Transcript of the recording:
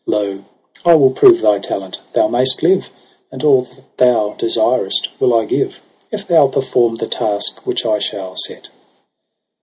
Lx) ! I will prove thy talent : thou mayst live. And all that thou desirest will I give. If thou perform the task which I shall set.'